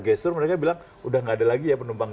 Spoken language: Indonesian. gestur mereka bilang udah nggak ada lagi ya penumpang